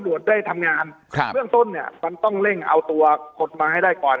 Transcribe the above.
ขอให้สบวนได้ทำงานเรื่องส้นเนี่ยมันต้องเร่งเอาตัวกฎมาให้ได้ก่อน